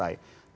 di semua partai